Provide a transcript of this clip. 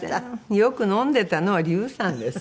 よく飲んでたのは竜さんです。